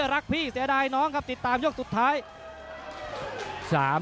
หรือว่าผู้สุดท้ายมีสิงคลอยวิทยาหมูสะพานใหม่